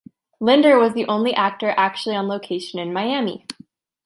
Linder was the only actor actually on location in Miami.